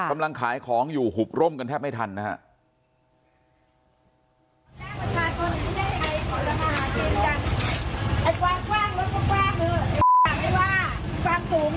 กำลังขายของอยู่หุบร่มกันแทบไม่ทันนะครับ